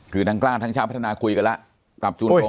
คือแนะนำกล้าทางชาติพัฒนาคุยกันแล้ว